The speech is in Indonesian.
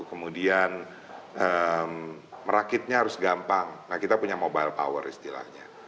kemudian merakitnya harus gampang nah kita punya mobile power istilahnya